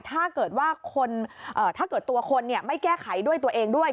ถ้าเกิดว่าคนถ้าเกิดตัวคนไม่แก้ไขด้วยตัวเองด้วย